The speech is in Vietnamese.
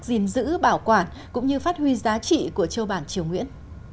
gìn giữ bảo quản cũng như phát huy giá trị của châu bản triều nguyễn